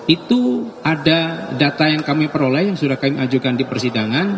itu ada data yang kami peroleh yang sudah kami ajukan di persidangan